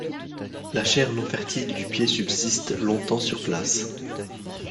La chair non fertile du pied subsiste longtemps sur place.